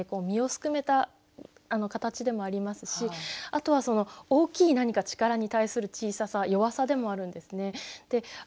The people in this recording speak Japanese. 身をすくめた形でもありますしあとは大きい何か力に対する小ささ弱さでもあるんですね。